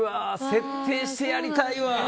設定してやりたいわ。